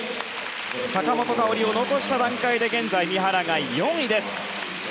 坂本花織を残した段階で現在、三原が４位です。